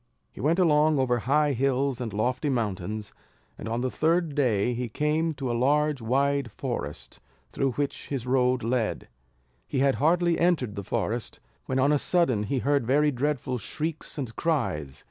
He went along over high hills and lofty mountains, and on the third day he came to a large wide forest, through which his road led. He had hardly entered the forest, when on a sudden he heard very dreadful shrieks and cries.